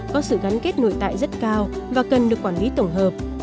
có sự gắn kết nội tại rất cao và cần được quản lý tổng hợp